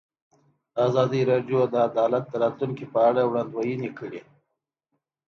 ازادي راډیو د عدالت د راتلونکې په اړه وړاندوینې کړې.